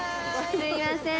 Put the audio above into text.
すいませーん。